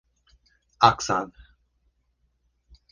Oxon.